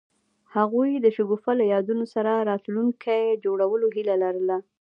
هغوی د شګوفه له یادونو سره راتلونکی جوړولو هیله لرله.